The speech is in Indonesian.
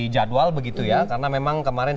jadwal begitu ya karena memang kemarin